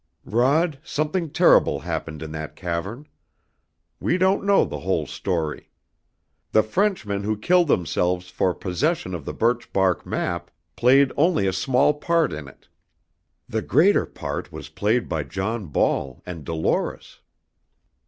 "Rod, something terrible happened in that cavern! We don't know the whole story. The Frenchmen who killed themselves for possession of the birch bark map played only a small part in it. The greater part was played by John Ball and Dolores!"